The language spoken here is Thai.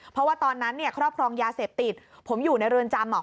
เพราะว่าตอนนั้นเนี่ยครอบครองยาเสพติดผมอยู่ในเรือนจำ